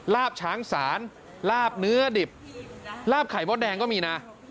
ลาบช้างศาลลาบเนื้อดิบลาบไข่มดแดงก็มีนะ